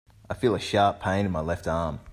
I feel a sharp pain in my left arm.